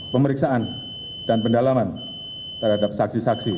pemeriksaan dan pendalaman terhadap saksi saksi